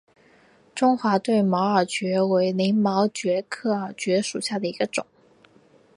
中华对马耳蕨为鳞毛蕨科耳蕨属下的一个种。